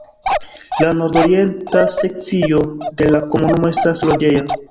La nordorienta sekcio de la komunumo estas loĝeja.